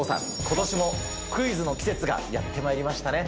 今年もクイズの季節がやってまいりましたね。